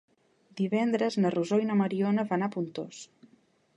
Divendres na Rosó i na Mariona van a Pontós.